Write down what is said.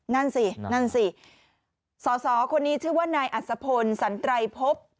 นั่นสินั่นสิสอสอคนนี้ชื่อว่านายอัศพลสันไตรพบ